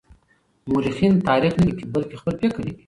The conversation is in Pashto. مورخين تاريخ نه ليکي بلکې خپل فکر ليکي.